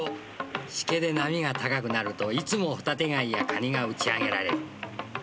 しけで波が高くなるといつもホタテ貝やカニが打ち上げられる。